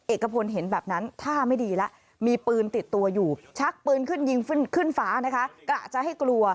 เอกพลเห็นแบบนั้นท่าไม่ดีแล้วมีปืนติดตัวอยู่ชักปืนขึ้นยิงขึ้นฟ้านะคะกะจะให้กลัว